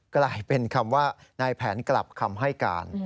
กลายเป็นคำว่านายแผนกลับคำให้การ